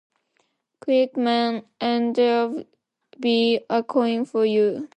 Quick, man, and there'll be a coin for you.